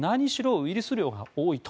ウイルス量が多いと。